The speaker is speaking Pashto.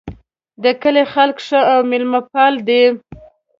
د کلي خلک ښه او میلمه پال دي